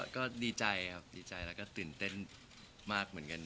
ก็ดีใจครับดีใจแล้วก็ตื่นเต้นมากเหมือนกัน